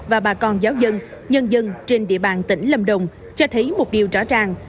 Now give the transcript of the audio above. và bà con giáo dân nhân dân trên địa bàn tỉnh lâm đồng cho thấy một điều rõ ràng